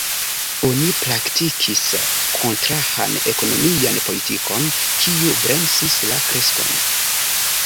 Oni praktikis kontrahan ekonomian politikon, kiu bremsis la kreskon.